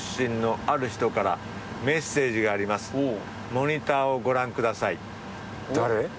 モニターをご覧ください。